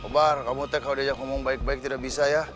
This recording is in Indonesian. bar kamu take kalau dia ngomong baik baik tidak bisa ya